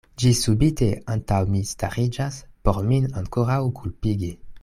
Ĝi subite antaŭ mi stariĝas por min ankoraŭ kulpigi.